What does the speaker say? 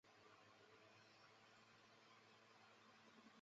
流经四川石渠附近时称为雅砻江。